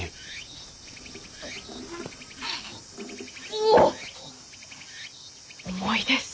おお重いです。